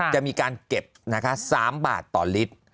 จะมีการเก็บนะคะ๓บาทต่อลิตร